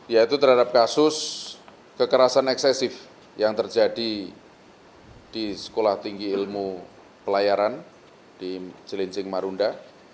yaitu terhadap kasus kekerasan eksesif yang terjadi di sekolah tinggi ilmu pelayaran di cilincing marunda